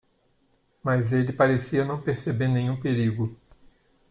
Mas ele parecia não perceber nenhum perigo.